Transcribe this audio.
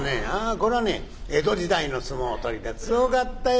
「こりゃね江戸時代の相撲取りで強かったよ